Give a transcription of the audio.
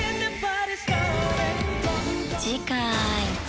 いじかい。